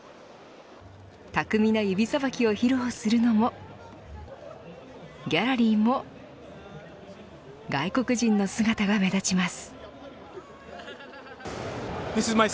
巧みな指さばきを披露するのもギャラリーも外国人の姿が目立ちます。